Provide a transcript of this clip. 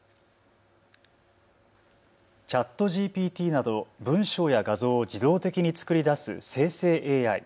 ＣｈａｔＧＰＴなど文章や画像を自動的に作り出す生成ＡＩ。